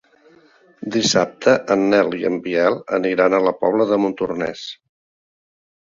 Dissabte en Nel i en Biel aniran a la Pobla de Montornès.